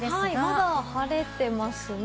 まだ晴れてますね。